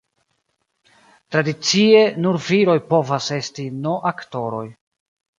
Tradicie, nur viroj povas esti no-aktoroj.